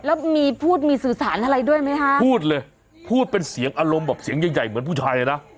แล้วมีพูดมีสื่อสารอะไรด้วยไหมคะพูดเลยพูดเป็นเสียงอารมณ์แบบเสียงใหญ่ใหญ่เหมือนผู้ชายเลยนะ